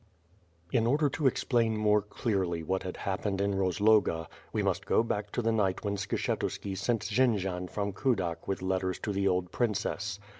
In order to explain more clearly what had happened in Rozloga, we must go back to the night when Skshetuski sent JenJzian from Kudak with letters to the old princess.